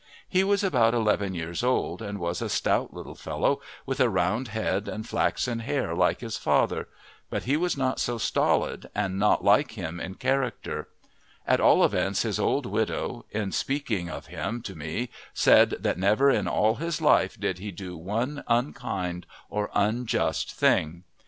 He was then about eleven years old, and was a stout little fellow with a round head and flaxen hair like his father; but he was not so stolid and not like him in character; at all events his old widow in speaking of him to me said that never in all his life did he do one unkind or unjust thing.